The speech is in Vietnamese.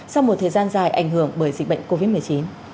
sau một thời gian dài ảnh hưởng bởi dịch bệnh covid một mươi chín